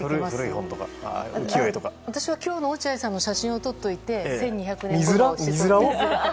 私は今日の落合さんの写真を撮っておいて１２００年後に。